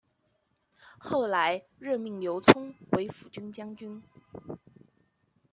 后来任命刘聪为抚军将军。